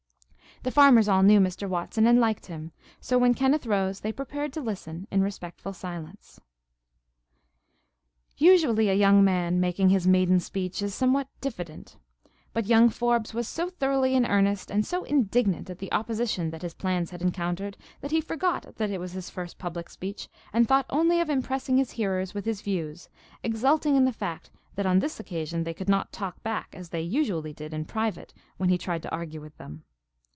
The farmers all knew Mr. Watson, and liked him; so when Kenneth rose they prepared to listen in respectful silence. Usually a young man making his maiden speech is somewhat diffident; but young Forbes was so thoroughly in earnest and so indignant at the opposition that his plans had encountered that he forgot that it was his first public speech and thought only of impressing his hearers with his views, exulting in the fact that on this occasion they could not "talk back," as they usually did in private when he tried to argue with them.